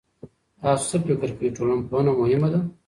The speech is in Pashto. تاسو څه فکر کوئ، ټولنپوهنه مهمه ده؟